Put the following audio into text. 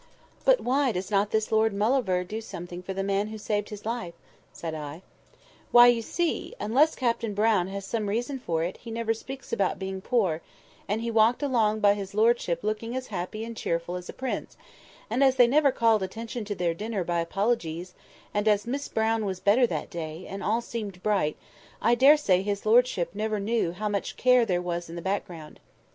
"But why does not this Lord Mauleverer do something for the man who saved his life?" said I. "Why, you see, unless Captain Brown has some reason for it, he never speaks about being poor; and he walked along by his lordship looking as happy and cheerful as a prince; and as they never called attention to their dinner by apologies, and as Miss Brown was better that day, and all seemed bright, I daresay his lordship never knew how much care there was in the background.